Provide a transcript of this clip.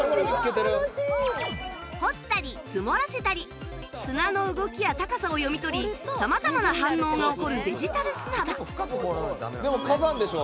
掘ったり積もらせたり砂の動きや高さを読み取り様々な反応が起こるデジタル砂場でも火山でしょ？